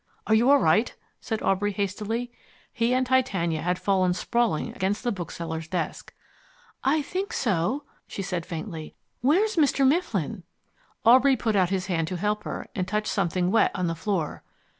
"Are you all right?" said Aubrey hastily. He and Titania had fallen sprawling against the bookseller's desk. "I think so," she said faintly. "Where's Mr. Mifflin?" Aubrey put out his hand to help her, and touched something wet on the floor.